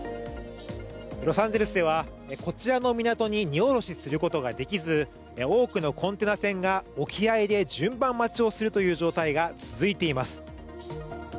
ロサンゼルスではこちらの港に荷降ろしすることができず多くのコンテナ船が沖合で順番待ちをするという状態が続いています。